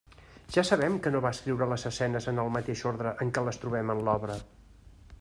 Ja sabem que no va escriure les escenes en el mateix ordre en què les trobem en l'obra.